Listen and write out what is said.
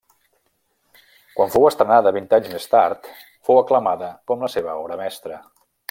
Quan fou estrenada, vint anys més tard, fou aclamada com la seva obra mestra.